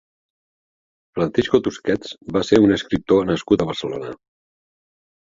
Francisco Tusquets va ser un escriptor nascut a Barcelona.